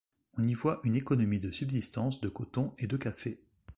On y voit une économie de subsistance de coton et de café...